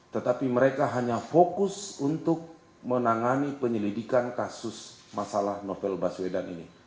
tetapi mereka hanya fokus untuk menangani penyelidikan kasus masalah novel baswedan ini